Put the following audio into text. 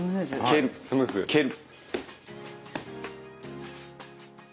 蹴る蹴る。